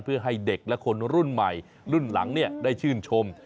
เพื่อให้เด็กและคนรุ่นใหม่รุ่นหลังได้ชื่นชม